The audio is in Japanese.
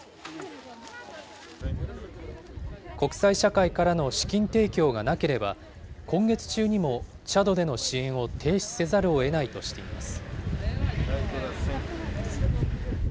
国際社会からの資金提供がなければ、今月中にもチャドでの支援を停止せざるをえないとしています。